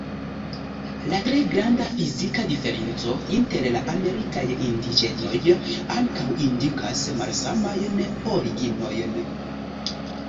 La tre granda fizika diferenco inter la amerikaj indiĝenoj ankaŭ indikas malsamajn originojn.